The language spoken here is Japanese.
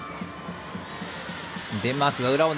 デンマークが裏を狙う。